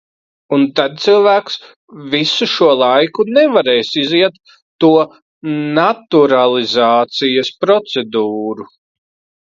Un tad cilvēks visu šo laiku nevarēs iziet to naturalizācijas procedūru.